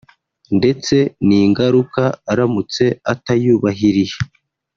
ndetse n’ingaruka aramutse atayubahirije